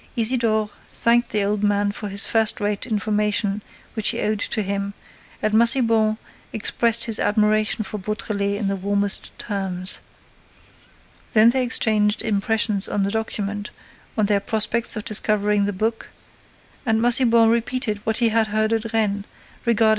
Isidore thanked the old man for the first rate information which he owed to him and Massiban expressed his admiration for Beautrelet in the warmest terms. Then they exchanged impressions on the document, on their prospects of discovering the book; and Massiban repeated what he had heard at Rennes regarding M.